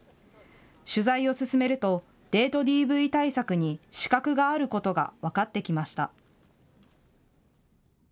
取材を進めるとデートＤＶ対策に死角があることが分かってきました。